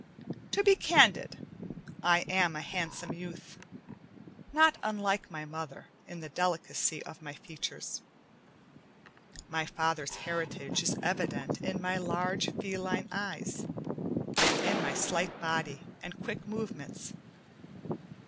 To be candid, I am a handsome youth, not unlike my mother in the delicacy of my features. My father's heritage is evident in my large, feline eyes, and in my slight body and quick movements.